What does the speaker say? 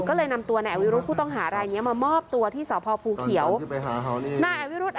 ก็เลยนำตัวเนี่ยแอร์วิลุท